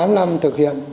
tám năm thực hiện